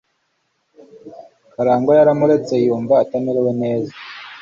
Karangwa yaramuretse, yumva atamerewe neza.